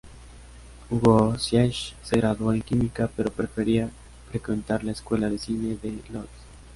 Wojciech se graduó en Química pero prefería frecuentar la Escuela de Cine de Lodz.